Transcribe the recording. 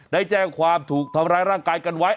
ได้แจ้งความถูกทำร้ายร่างกายกันไว้